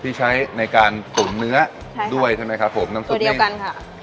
ที่ใช้ในการตุ๋นเนื้อใช่ค่ะด้วยใช่ไหมครับผมตัวเดียวกันค่ะน้ำซุปนี้